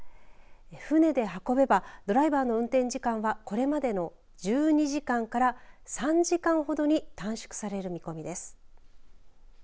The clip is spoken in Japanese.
船で運べばドライバーの運転時間はこれまでの１２時間から３時間ほどに短縮される見込みです。